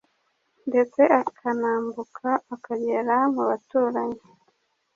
ndetse akanambuka akagera mu baturanyi